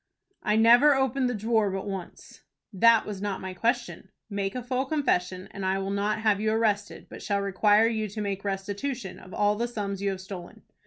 "I never opened the drawer but once." "That was not my question. Make a full confession, and I will not have you arrested, but shall require you to make restitution of all the sums you have stolen.